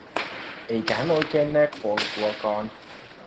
Eikä hän oikein näe polkuakaan.